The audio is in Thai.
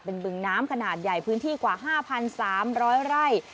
เป็นบึงน้ำขนาดใหญ่พื้นที่กว่าห้าพันสามร้อยไร่